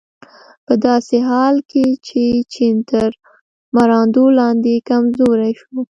په داسې حال کې چې چین تر مراندو لاندې کمزوری شو.